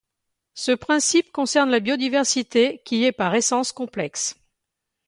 Ce principe concerne la biodiversité qui est par essence complexe.